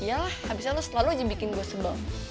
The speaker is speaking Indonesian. iya lah abisnya lo selalu aja bikin gue sebel